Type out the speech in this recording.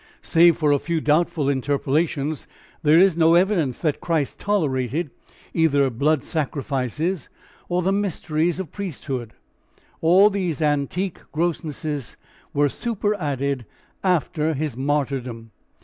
Save for a few doubtful interpolations there is no evidence that Christ tolerated either blood sacrifices or the mysteries of priesthood. All these antique grossnesses were superadded after his martyrdom.